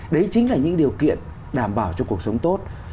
đấy chính là những điều kiện đảm bảo cho cuộc sống tốt